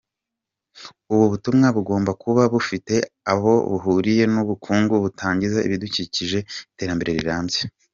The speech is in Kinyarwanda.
Ubu butumwa bugomba kuba bufite ahobuhuriye n’Ubukungu butangiza ibidukikije mw’ iterambere rirambye.